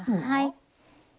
はい。